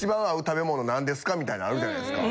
みたいなあるじゃないですか。